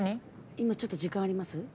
今ちょっと時間あります？